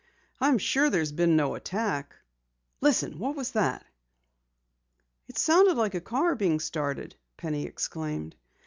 "I'm sure there's been no attack. Listen! What was that?" "It sounded like a car being started!" Penny exclaimed.